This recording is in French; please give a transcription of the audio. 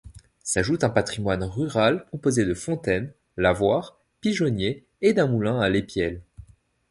S'ajoute un patrimoine rural composé de fontaines, lavoirs, pigeonniers et d'un moulin à Lespielle.